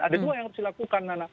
ada dua yang harus dilakukan nana